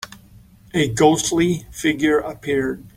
A ghostly figure appeared.